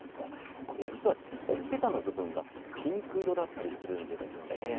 実は、ほっぺたの部分がピンク色だったりするんです。